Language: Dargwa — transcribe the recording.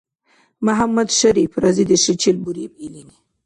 — МяхӀяммадшарип, — разидешличил буриб илини.